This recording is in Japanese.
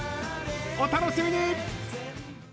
お楽しみに。